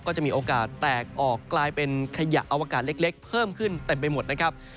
จะมีโอกาสแตกออกกลายเป็นขยะอวกาศเล็กเพิ่มขึ้นเต็มไปหมดนะครับ